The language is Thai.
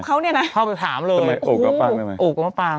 เขาเนี่ยน่ะเขาไปถามเลยโอบกับปางได้ไหมโอบกับปาง